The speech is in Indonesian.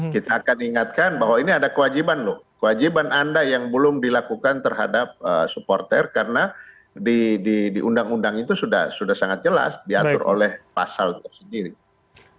kita akan ingatkan bahwa ini ada kewajiban loh kewajiban anda yang belum dilakukan terhadap supporter karena di undang undang itu sudah sangat jelas diatur oleh pasal tersendiri